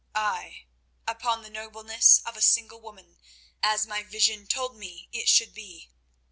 "Ay, upon the nobleness of a single woman, as my vision told me it should be.